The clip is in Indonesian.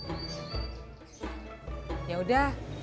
determine nanti ya bang